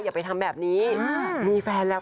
อย่าไปทำแบบนี้มีแฟนแล้ว